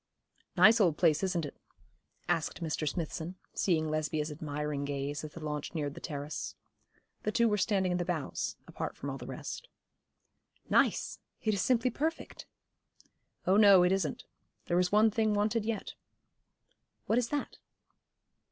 'Nice old place, isn't it?' asked Mr. Smithson, seeing Lesbia's admiring gaze as the launch neared the terrace. They two were standing in the bows, apart from all the rest. 'Nice! it is simply perfect.' 'Oh no, it isn't. There is one thing wanted yet.' 'What is that?'